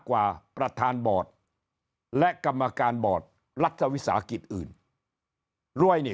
กว่าประธานบอร์ดและกรรมการบอร์ดรัฐวิสาหกิจอื่นด้วยนี่